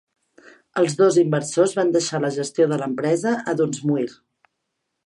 Els dos inversors van deixar la gestió de l'empresa a Dunsmuir.